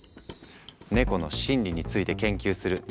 ネコの心理について研究するネコ